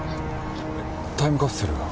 えっタイムカプセルは？